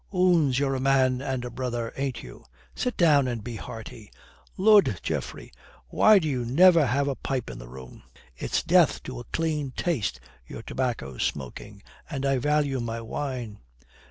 "Oons, you're a man and a brother, ain't you? Sit down and be hearty. Lud, Geoffrey, why do you never have a pipe in the room?" "It's death to a clean taste, your tobacco smoking, and I value my wine."